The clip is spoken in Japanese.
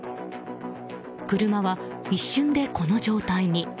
車は一瞬でこの状態に。